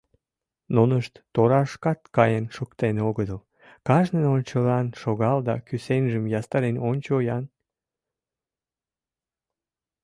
Нунышт торашкат каен шуктен огытыл: кажнын ончылан шогал да кӱсенжым ястарен ончо-ян!